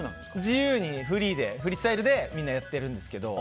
自由にフリースタイルでみんなやってるんですけど。